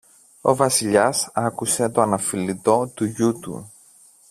ο Βασιλιάς άκουσε το αναφιλητό του γιου του.